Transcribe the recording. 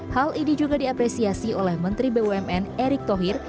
hal ini juga diapresiasi oleh menteri bumn erick thohir